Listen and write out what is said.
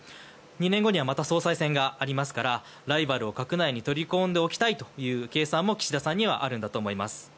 ２年後にはまた総裁選がありますからライバルを閣内に取り込んでおきたいという計算も岸田さんにはあるんだと思います。